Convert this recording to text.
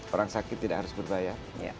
orang sakit tidak harus berbayar